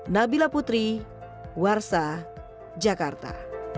nabila putri warsa jakarta